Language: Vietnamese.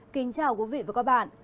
kính chào quý vị và các bạn